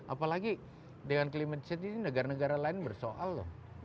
apalagi dengan climate change ini negara negara lain bersoal loh